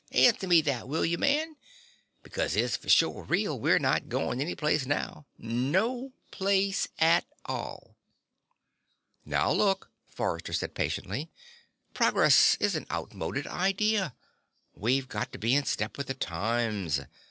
Answer me that, will you, man? Because it's for sure real we're not going any place now. No place at all." "Now look," Forrester said patiently, "progress is an outmoded idea. We've got to be in step with the times.